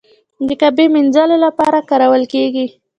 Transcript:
د کعبې مینځلو لپاره کارول کیږي.